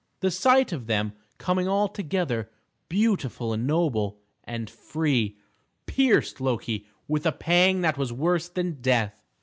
The sight of them coming all together beautiful, and noble, and free pierced Loki with a pang that was worse than death.